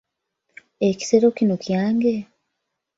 Ekisero kino kyange?